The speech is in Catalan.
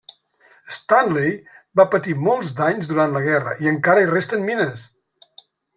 Stanley va patir molts danys durant la guerra i encara hi resten mines.